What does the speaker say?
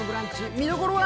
見どころは？